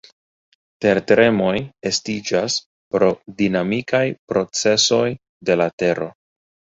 Tertremoj estiĝas pro dinamikaj procesoj de la tero.